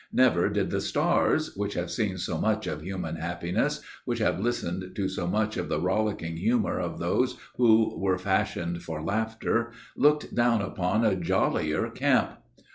Never did the stars, which have seen so much of human happiness, which have listened to so much of the rollicking humor of those who were fashioned for laughter, looked down upon a jollier camp.